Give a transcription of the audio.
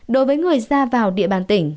đối với người ra vào địa bàn tỉnh